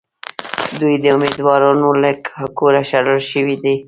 دوی د اُمیدوارانو له کوره شړل شوي دي.